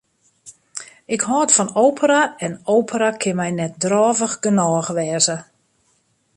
Ik hâld fan opera en opera kin my net drôvich genôch wêze.